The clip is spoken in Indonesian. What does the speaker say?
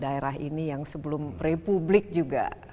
daerah ini yang sebelum republik juga